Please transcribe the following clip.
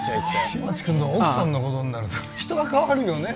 新町君の奥さんのことになると人が変わるよね